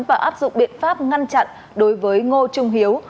và áp dụng biện pháp ngăn chặn đối với ngô trung hiếu